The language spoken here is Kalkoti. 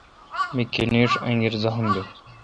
می کنگیݭ انگیر زخم بیل۔